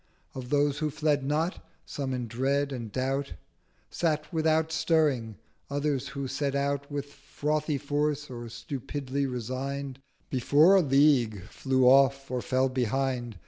1320 Of those who fled not, some in Dread and Doubt Sat without stirring: others who set out With frothy Force, or stupidly resign'd, Before a League, flew off or fell behind.